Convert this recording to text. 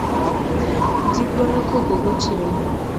Jii goyo koko gotieno